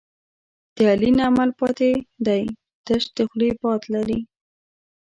د علي نه عمل پاتې دی، تش د خولې باد لري.